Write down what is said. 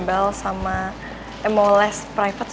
selamat malam be